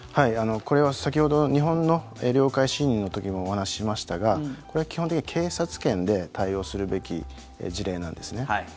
これは先ほど日本の領海侵入の時もお話ししましたがこれは基本的に警察権で対応するべき事例なんですね。